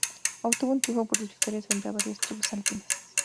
Obtuvo un triunfo por sus victorias frente a varias tribus alpinas.